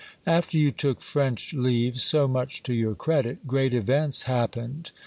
After you took French leave, so much to your credit, great events happened.